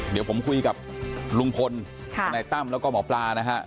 เดี๋ยวผมคุยกับลุงพลทนายตั้มแล้วก็หมอปลานะฮะ